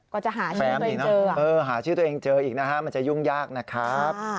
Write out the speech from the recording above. กว่าจะหาชื่อตัวเองเจออีกนะมันจะยุ่งยากนะครับ